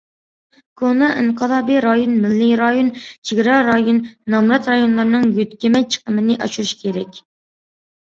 كونا ئىنقىلابىي رايون، مىللىي رايون، چېگرا رايون، نامرات رايونلارنىڭ يۆتكىمە چىقىمىنى ئاشۇرۇش كېرەك.